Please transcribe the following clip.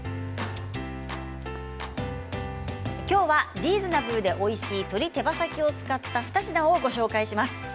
きょうはリーズナブルでおいしい鶏手羽先を使った２品をご紹介します。